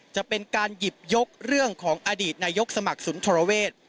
จะเป็นการหยิบยกเรื่องของอดีตนายกสมัครสุนทรเวศ